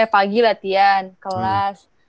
eh pagi latihan kelas